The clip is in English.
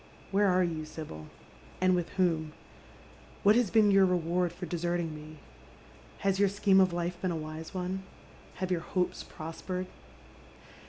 Where are you, Sibyl ? and with whom ? What has been your reward for desert ing me? Has your scheme of life been a wise one ? Have your hopes prospered